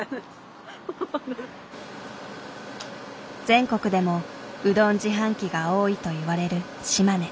全国でもうどん自販機が多いといわれる島根。